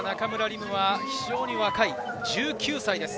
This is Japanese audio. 夢は非常に若い１９歳です。